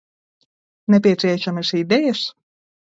Nepieciešamas idejas?